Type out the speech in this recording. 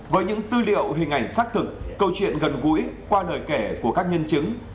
với những tư liệu hình ảnh xác thực câu chuyện gần gũi qua lời kể của các nhân chứng